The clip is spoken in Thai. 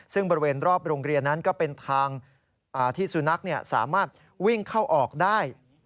ซึ่งบริเวณรอบโรงเรียนนั้นก็เป็นทางที่สุนัขสามารถวิ่งเข้าออกได้